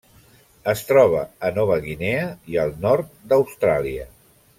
Es troba a Nova Guinea i al nord d'Austràlia.